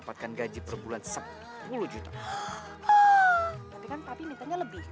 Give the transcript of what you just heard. tapi kan tapi minta nya lebih